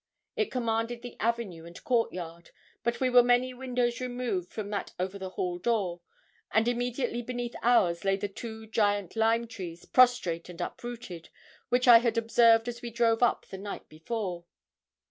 It commanded the avenue and court yard; but we were many windows removed from that over the hall door, and immediately beneath ours lay the two giant lime trees, prostrate and uprooted, which I had observed as we drove up the night before.